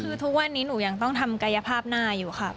คือทุกวันนี้หนูยังต้องทำกายภาพหน้าอยู่ค่ะ